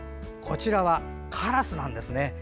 こちらは、カラスなんですね。